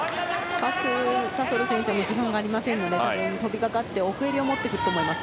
パク・タソル選手は時間がありませんので飛びかかって奥襟を持っていくと思います。